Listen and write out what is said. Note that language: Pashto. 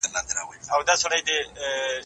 که وطن کي کار وي، نو ځوانان نه ځي.